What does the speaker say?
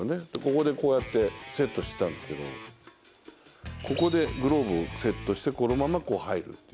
ここでこうやってセットしてたんですけど、ここでグローブをセットしてこのまま入る。